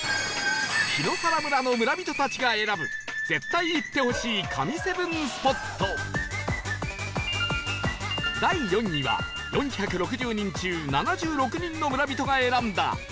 檜原村の村人たちが選ぶ絶対行ってほしい神７スポット第４位は４６０人中７６人の村人が選んだ